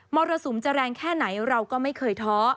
รสุมจะแรงแค่ไหนเราก็ไม่เคยท้อ